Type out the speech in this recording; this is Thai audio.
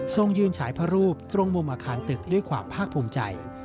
ยืนฉายพระรูปตรงมุมอาคารตึกด้วยความภาคภูมิใจ